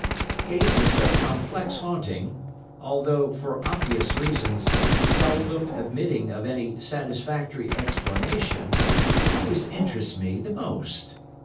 Cases of complex haunting, although, for obvious reasons, seldom admitting of any satisfactory explanation, always interest me the most.